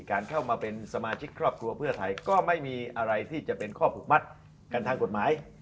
การเข้ามาเป็นสมาชิกครอบครัวเพื่อไทยก็ไม่มีอะไรที่จะเป็นข้อผูกมัดกันทางกฎหมาย